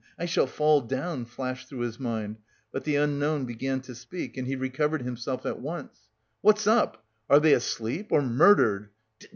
"I shall fall down!" flashed through his mind, but the unknown began to speak and he recovered himself at once. "What's up? Are they asleep or murdered?